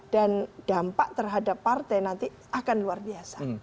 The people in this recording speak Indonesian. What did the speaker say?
dan dampak terhadap partai nanti akan luar biasa